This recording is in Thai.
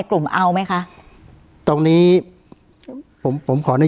การแสดงความคิดเห็น